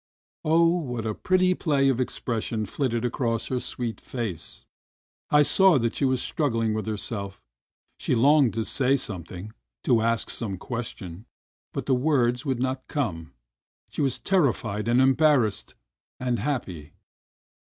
Oh, what a pretty play of expression flitted across her sweet face ! I saw that she was struggling with herself; she longed to say something, to ask some question, but the words would not come; she was terrified and embarrassed and happy.